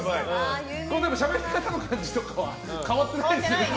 しゃべり方の感じとかは変わってないですね。